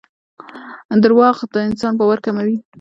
دراوغ دانسان باور کموي